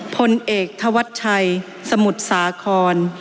พลเอกธวัชชัยสมุทรสาคร